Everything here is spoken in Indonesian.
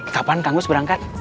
kapan kang gus berangkat